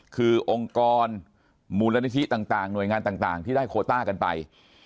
คือองค์กรมูลนิธิต่างหน่วยงานต่างที่ได้โคต้ากันไป